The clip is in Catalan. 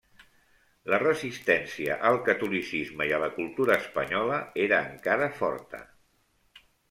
La resistència al catolicisme i a la cultura espanyola era encara forta.